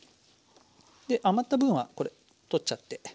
で余った分はこれ取っちゃって。